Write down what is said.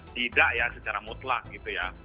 tidak ya secara mutlak gitu ya